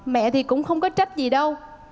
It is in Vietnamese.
mẹ thì cũng không có trách gì đâu